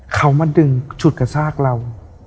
เขามาดึงฉุดกระชากเรา